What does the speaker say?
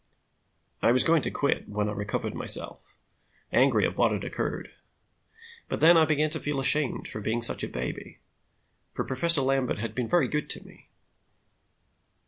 "'I was going to quit, when I recovered myself, angry at what had occurred; but then, I began to feel ashamed for being such a baby, for Professor Lambert has been very good to me.